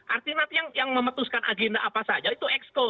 artinya nanti yang memutuskan agenda apa saja itu exco